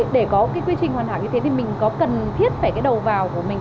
để có cái quy trình hoàn hảo như thế thì mình có cần thiết phải cái đầu vào của mình